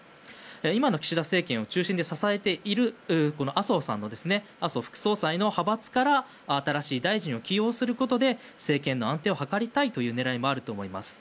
今の岸田政権を中心で支えている麻生副総裁の派閥から新しい大臣を起用することで政権の安定を図りたいという狙いもあると思います。